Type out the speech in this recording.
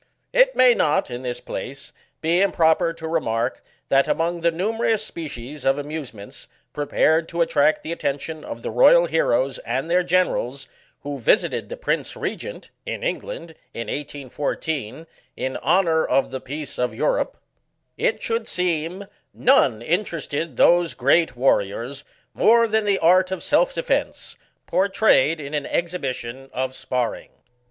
It may not, in this place, be improper to remark, that, among the numerous species of amusements prepared to attract the attention of the royal heroes and their generals, who visited the prince Regent, in England, in 1814, in honour of the peace of Eu rope, it should seem none interested those great war Digitized by VjOOQIC SKETCHES OF PUGILISM 13 riors more than the art of Self Defence, por trayed in an exhibition of sparring.